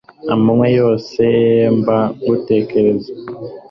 amanywa yose mba ngutekereza